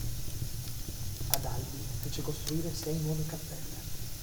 Ad Albi fece costruire sei nuove cappelle.